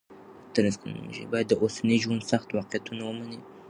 اتلس کلنه نجلۍ باید د اوسني ژوند سخت واقعیتونه ومني.